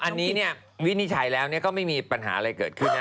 อันนี้เนี่ยวินิจัยแล้วเนี่ยก็ไม่มีปัญหาอะไรเกิดขึ้นนะ